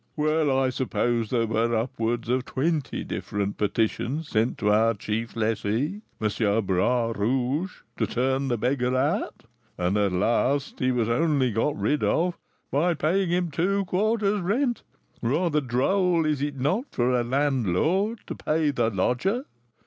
Well, I suppose there were upwards of twenty different petitions sent to our chief lessee, M. Bras Rouge, to turn the beggar out; and, at last, he was only got rid of by paying him two quarters' rent, rather droll, is it not, for a landlord to pay his lodger?